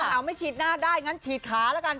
เอาไม่ฉีดหน้าได้งั้นฉีดขาแล้วกัน